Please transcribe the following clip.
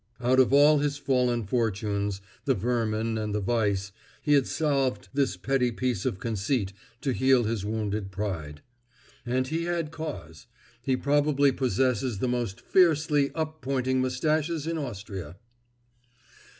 Out of all his fallen fortunes, the vermin and the vice, he had salved this petty piece of conceit to heal his wounded pride. And he had cause; he probably possesses the most fiercely up pointing moustaches in Austria.